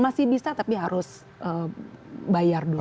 masih bisa tapi harus bayar dulu